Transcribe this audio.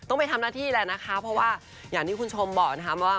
ไปทำหน้าที่แหละนะคะเพราะว่าอย่างที่คุณชมบอกนะคะว่า